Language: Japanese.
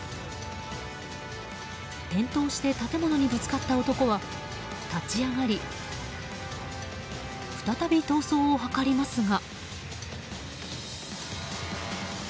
転倒して建物にぶつかった男は立ち上がり再び逃走を図りますが。